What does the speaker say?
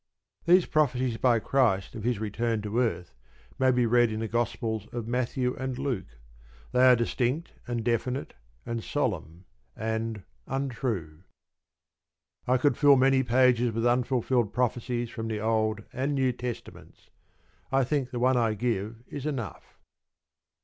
These prophecies by Christ of His return to earth may be read in the Gospels of Matthew and Luke. They are distinct, and definite, and solemn, and untrue. I could fill many pages with unfulfilled prophecies from the Old and New Testaments. I think the one I give is enough.